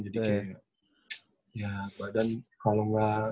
jadi kayak ya badan kalau nggak keringetan tuh kayak ya